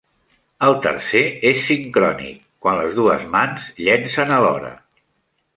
El tercer és sincrònic, quan les dues mans llencen alhora.